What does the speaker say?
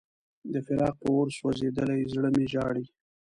د فراق په اور سوځېدلی زړه مې ژاړي.